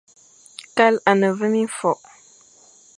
Kale à ne ve mimfokh,